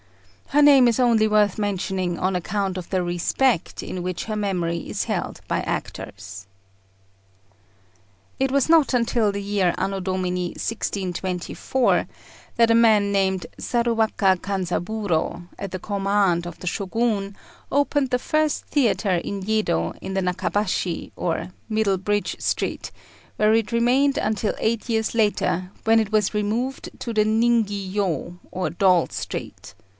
Her name is only worth mentioning on account of the respect in which her memory is held by actors. It was not until the year A.D. 1624 that a man named Saruwaka Kanzaburô, at the command of the Shogun, opened the first theatre in Yedo in the Nakabashi, or Middle Bridge Street, where it remained until eight years later, when it was removed to the Ningiyô, or Doll Street.